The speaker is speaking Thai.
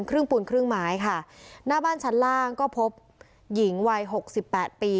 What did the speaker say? ครึ่งปูนครึ่งไม้ค่ะหน้าบ้านชั้นล่างก็พบหญิงวัยหกสิบแปดปี